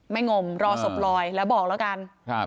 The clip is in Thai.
งมรอศพลอยแล้วบอกแล้วกัน